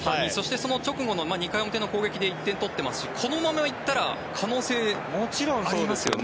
その直後の２回表で１点を取っていますしこのまま行ったら可能性はありますよね。